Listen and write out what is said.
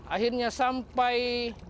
akhirnya sampai dua ribu sembilan